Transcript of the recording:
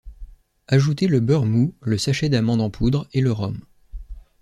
Ajouter le beurre mou, le sachet d'amandes en poudre et le rhum.